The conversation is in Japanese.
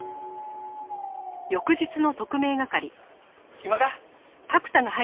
暇か？